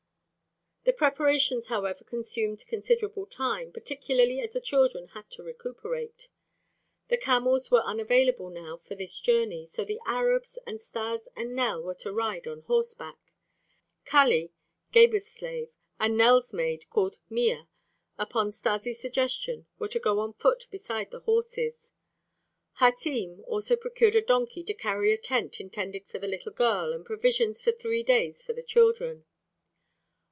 The preparations, however, consumed considerable time, particularly as the children had to recuperate. The camels were unavailable now for this journey, so the Arabs, and Stas and Nell were to ride on horseback. Kali, Gebhr's slave, and Nell's maid, called Mea upon Stas' suggestion, were to go on foot beside the horses. Hatim also procured a donkey to carry a tent intended for the little girl and provisions for three days for the children.